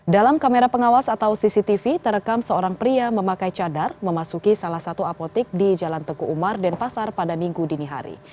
dalam kamera pengawas atau cctv terekam seorang pria memakai cadar memasuki salah satu apotik di jalan teguh umar denpasar pada minggu dini hari